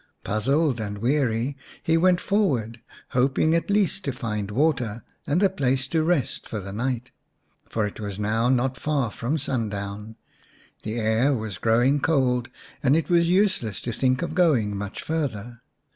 Puzzled and weary he went forward, hoping at least to find water and a place to rest for the night. For it was now not far from sundown, the air was growing cold, and it was useless to think of going much farther.